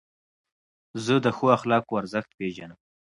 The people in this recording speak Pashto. زه د ښو اخلاقو ارزښت پېژنم.